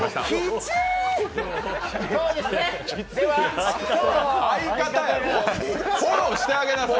って相方やろ、フォローしてあげなさい。